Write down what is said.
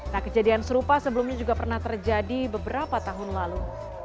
nah kejadian serupa sebelumnya juga pernah terjadi beberapa tahun lalu